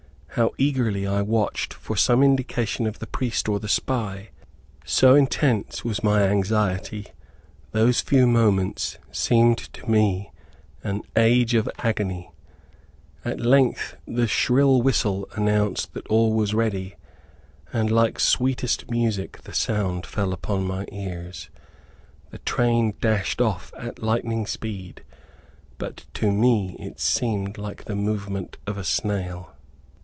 how eagerly I watched for some indication of the priest or the spy! So intense was my anxiety, those few moments seemed to me an age of agony. At length the shrill whistle announced that all was ready, and like sweetest music the sound fell upon my ears. The train dashed off at lightning speed, but to me it seemed like the movement of a snail.